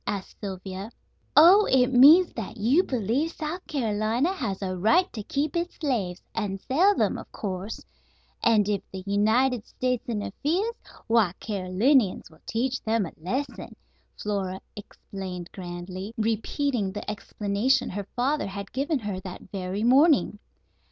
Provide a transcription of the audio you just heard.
asked Sylvia. "Oh, it means that you believe South Carolina has a right to keep its slaves, and sell them, of course; and if the United States interferes, why, Carolinians will teach them a lesson," Flora explained grandly, repeating the explanation her father had given her that very morning.